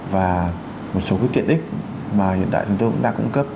và một số cái kiện ích mà hiện tại chúng tôi cũng đã cung cấp